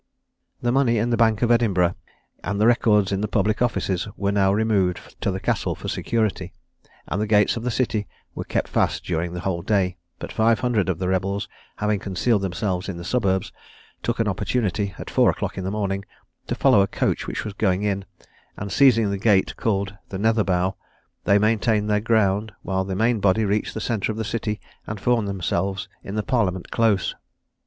The money in the bank of Edinburgh, and the records in the public offices, were now removed to the castle for security, and the gates of the city were kept fast during the whole day; but five hundred of the rebels, having concealed themselves in the suburbs, took an opportunity, at four o'clock in the morning, to follow a coach which was going in, and seizing the gate called the Netherbow, they maintained their ground, while the main body reached the centre of the city, and formed themselves in the Parliament Close.